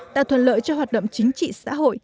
tạo thuận lợi cho hoạt động chính trị xã hội